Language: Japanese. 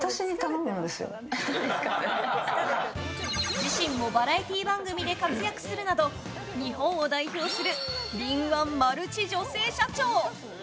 自身もバラエティー番組で活躍するなど日本を代表する敏腕マルチ女性社長！